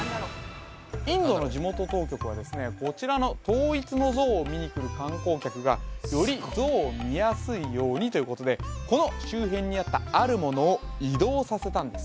インドの地元当局はですねこちらの統一の像を見に来る観光客がより像を見やすいようにということでこの周辺にあったあるものを移動させたんです